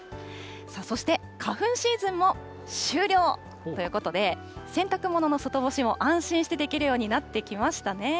そして、花粉シーズンも終了ということで、洗濯物の外干しも安心してできるようになってきましたね。